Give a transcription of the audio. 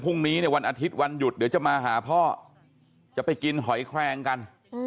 พรุ่งนี้เนี่ยวันอาทิตย์วันหยุดเดี๋ยวจะมาหาพ่อจะไปกินหอยแคลงกัน